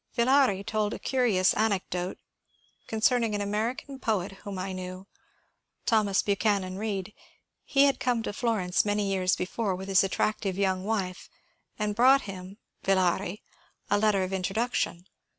Villari told a curious anecdote concerning an American poet whom I knew, — Thomas Buchanan Bead. He had come to Flor ence many years before with his attractive young wife and brought him (Villari) a letter of introduction.